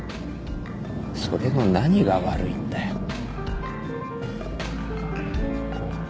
それの何が悪いんだよ。